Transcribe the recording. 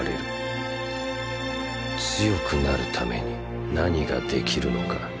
強くなるために何ができるのか。